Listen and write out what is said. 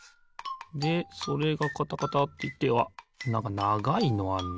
でそれがカタカタっていってあっなんかながいのあんな。